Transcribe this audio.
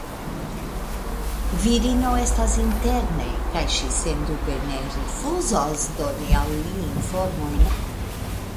Virino estas interne kaj ŝi sendube ne rifuzos doni al li informojn.